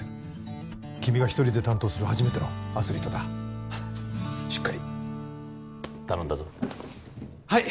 君が一人で担当する初めてのアスリートだしっかり頼んだぞはい！